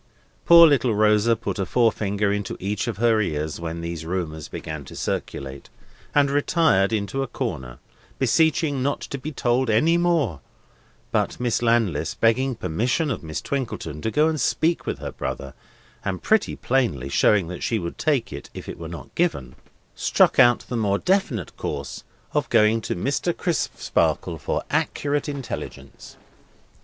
Poor little Rosa put a forefinger into each of her ears when these rumours began to circulate, and retired into a corner, beseeching not to be told any more; but Miss Landless, begging permission of Miss Twinkleton to go and speak with her brother, and pretty plainly showing that she would take it if it were not given, struck out the more definite course of going to Mr. Crisparkle's for accurate intelligence.